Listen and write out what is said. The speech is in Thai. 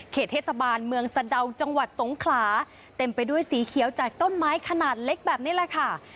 เทศบาลเมืองสะดาวจังหวัดสงขลาเต็มไปด้วยสีเขียวจากต้นไม้ขนาดเล็กแบบนี้แหละค่ะ